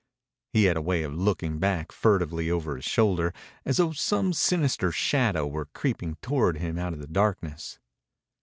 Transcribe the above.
He had a way of looking back furtively over his shoulder, as though some sinister shadow were creeping toward him out of the darkness.